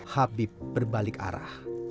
habib berbalik arah